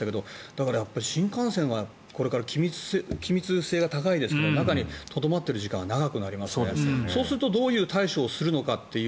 だから、新幹線は気密性が高いですから中にとどまっている時間が長くなりますからそうするとどういう対処をするのかという。